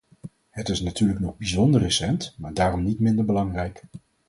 Het is natuurlijk nog bijzonder recent, maar daarom niet minder belangrijk.